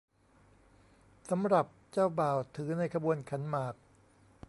สำหรับเจ้าบ่าวถือในขบวนขันหมาก